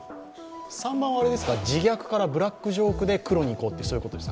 ３番は自虐からブラックジョークで黒にいこう、そういうことですか？